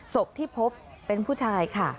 ศพที่พบเป็นผู้ชายค่ะ